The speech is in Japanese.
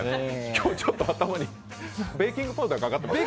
今日、ちょっと頭にベーキングパウダーかかってる？